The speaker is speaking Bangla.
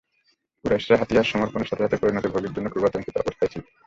কুরাইশরা হাতিয়ার সমর্পণের সাথে সাথে পরিণতি ভোগের জন্য খুবই আতঙ্কিত অবস্থায় ছিল।